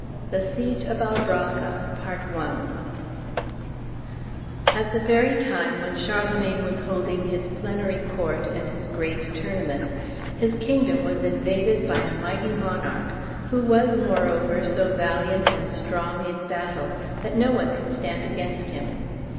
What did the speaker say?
THE SIEGE OF ALBRACCA At the very time when Charlemagne was holding his plenary court and his great tournament his kingdom was invaded by a mighty monarch, who was moreover so valiant and strong in battle that no one could stand against him.